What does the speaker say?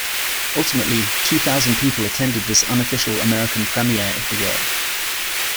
Ultimately, two thousand people attended this unofficial American premiere of the work.